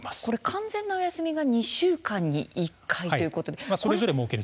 完全なお休みが２週間に１回ということですね。